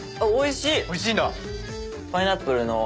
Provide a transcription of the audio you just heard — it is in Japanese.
おいしいんだ。